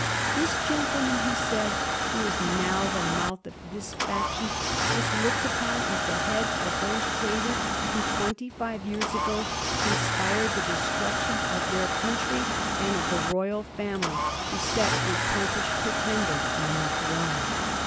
"The gentleman," he said, " who is now the mouth of this faction was looked upon as the head of those traitors who, twenty five years ago, conspired the destruction of their country and of the royal family to set a Popish Pretender on the throne.